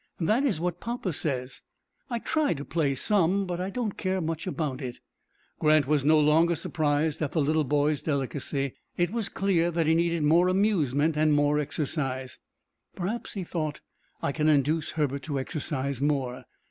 "That is what papa says. I try to play some, but I don't care much about it." Grant was no longer surprised at the little boy's delicacy. It was clear that he needed more amusement and more exercise. "Perhaps," he thought, "I can induce Herbert to exercise more."